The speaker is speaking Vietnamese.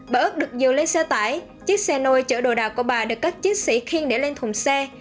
bà ước được dự lên xe tải chiếc xe nôi chở đồ đạc của bà được các chiến sĩ khiên để lên thùng xe